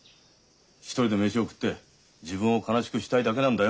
一人で飯を食って自分を悲しくしたいだけなんだよ。